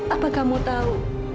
apakah kamu tahu